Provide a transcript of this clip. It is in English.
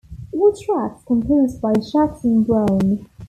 All tracks composed by Jackson Browne.